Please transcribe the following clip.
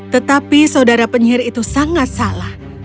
tetapi saudara penyihir itu sangat salah